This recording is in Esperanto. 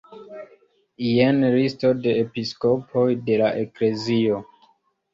Jen listo de episkopoj de la eklezio.